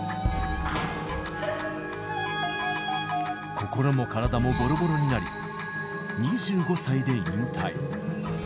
心も体もぼろぼろになり、２５歳で引退。